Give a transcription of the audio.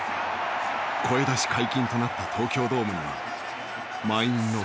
声出し解禁となった東京ドームには満員の観客。